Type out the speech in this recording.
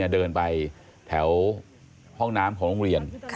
เดินไปแถวห้องน้ำของโรงเรียน